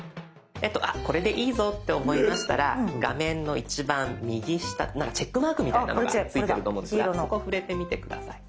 これでいいぞって思いましたら画面の一番右下何かチェックマークみたいなのが付いてると思うんですがそこ触れてみて下さい。